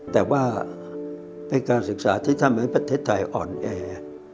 แต่ว่าเป็นการศึกษาที่ทำให้ประเทศไทยอ่อนแอ